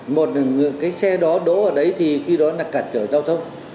một là cái xe đó đỗ ở đấy thì khi đó là cả trời giao thông